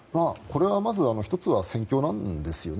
まず１つは戦況なんですよね。